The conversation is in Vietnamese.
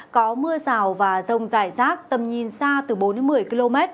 có mưa rào và rông dài sát tầm nhìn xa từ bốn một mươi độ